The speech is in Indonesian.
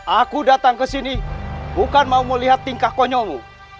aku datang kesini bukan mau melihat tingkah konyolmu